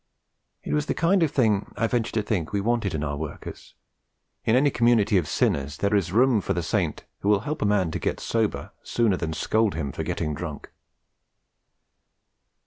It was the kind of thing I ventured to think we wanted in our workers. In any community of sinners there is room for the saint who will help a man to get sober sooner than scold him for getting drunk.